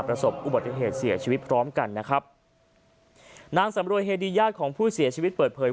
ประสบอุบัติเหตุเสียชีวิตพร้อมกันนะครับนางสำรวยเฮดีญาติของผู้เสียชีวิตเปิดเผย